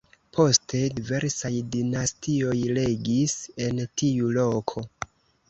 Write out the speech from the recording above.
Poste diversaj dinastioj regis en tiu loko.